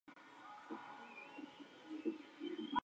Ella ha dicho que "Emma es una persona muy dulce y amigable.